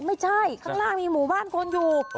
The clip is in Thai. ข้างล่างมีหมู่บ้านคนอยู่